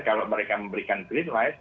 kalau mereka memberikan klip oke